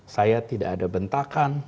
saya tidak ada bentakan